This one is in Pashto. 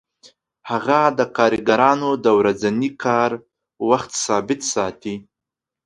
هغه د کارګرانو د ورځني کار وخت ثابت ساتي